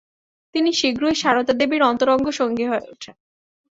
তিনি শীঘ্রই সারদা দেবীর অন্তরঙ্গ সঙ্গী হয়ে ওঠেন।